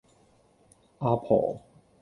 阿婆